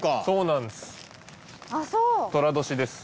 そうなんです。